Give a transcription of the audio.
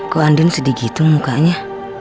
kok andin sedih gitu mukanya